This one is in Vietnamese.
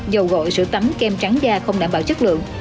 dầu gội sữa tắm kem trắng da không đảm bảo chất lượng